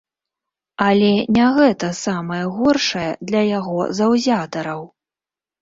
Але не гэта самае горшае для яго заўзятараў.